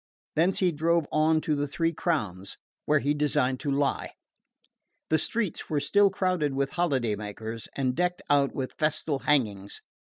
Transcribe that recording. Thence he drove on to the Three Crowns, where he designed to lie. The streets were still crowded with holiday makers and decked out with festal hangings.